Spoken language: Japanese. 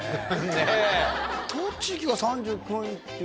栃木が３９位っていうのが。